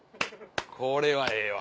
これはええわ。